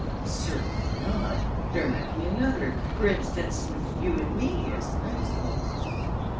"Certainly not. There might be another, for instance, with you and me as the principals."